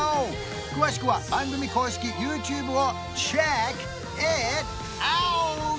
詳しくは番組公式ＹｏｕＴｕｂｅをｃｈｅｃｋｉｔｏｕｔ！